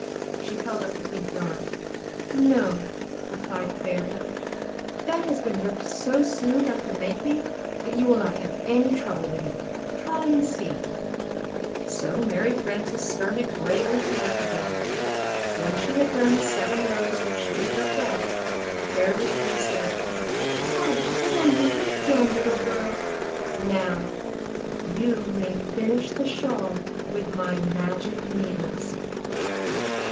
She held up the pink yarn. "No," rephed the fairy. "That has been ripped so soon after making that you will not have any trouble with it. Try, and see." So Mary Frances started bravely to work again. When she had done the seven rows which she had ripped out Fairly Flew said, "How well youhave Place iivB colander. 551 174 Knitting and Crocheting Book done, little girl! Now, you may finish the shawl with my magic needles."